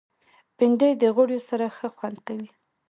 بېنډۍ د غوړیو سره ښه خوند کوي